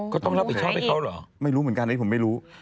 ก็ต้องรับผิดชอบให้เขาเหรอไม่รู้เหมือนกันอันนี้ผมไม่รู้